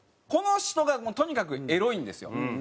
この人がとにかくエロいんですよ。